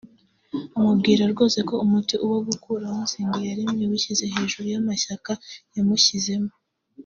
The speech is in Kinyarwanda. amubwira rwose ko umuti ari uwo gukuraho Nsengiyaremye wishyize hejuru y’amashyaka yamushyizemo